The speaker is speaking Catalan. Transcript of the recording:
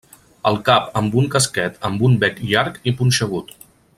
El cap amb un casquet amb un bec llarg i punxegut.